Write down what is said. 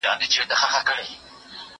زه پرون موسيقي اورم وم؟